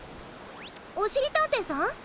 おしりたんていさん？